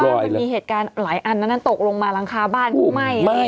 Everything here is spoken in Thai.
เพราะว่ามันมีเหตุการณ์หลายอันนั้นตกลงมารังคาบ้านเครื่องไไม่